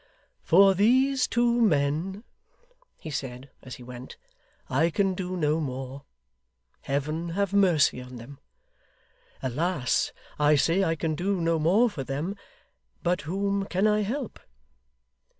'For these two men,' he said, as he went, 'I can do no more. Heaven have mercy on them! Alas! I say I can do no more for them, but whom can I help?